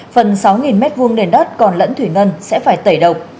phần sáu m hai nền đất còn lẫn thủy ngân sẽ phải tẩy độc